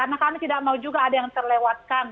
karena kami tidak mau juga ada yang terlewatkan